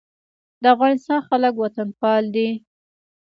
د افغانستان خلک وطنپال دي